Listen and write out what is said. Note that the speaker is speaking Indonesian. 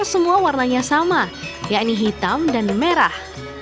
semua warnanya sama yakni hitam dan merah